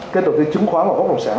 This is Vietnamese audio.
cái đầu tiên chứng khoán vào bất động sản